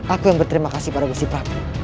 aku yang berterima kasih pada musti prap